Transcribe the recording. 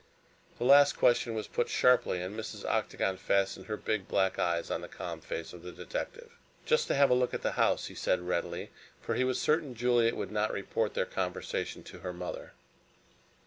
This last question was put sharply, and Mrs. Octagon fastened her big black eyes on the calm face of the detective. "Just to have a look at the house," he said readily, for he was certain Juliet would not report their conversation to her mother.